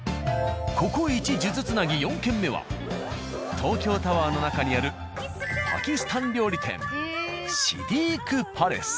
ここイチ数珠つなぎ４軒目は東京タワーの中にあるパキスタン料理店。